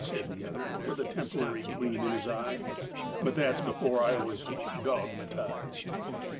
said the other, with a temporary gleam in his eye. "But that was before I was dogmatized."